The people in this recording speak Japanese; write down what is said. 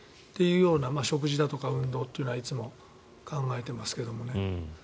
食事だとか運動というのはいつも考えていますけどもね。